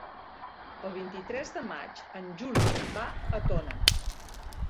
El vint-i-tres de maig en Juli va a Tona.